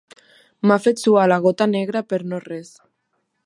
M'ha fet suar la gota negra per no res.